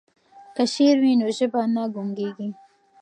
که شعر وي نو ژبه نه ګونګیږي.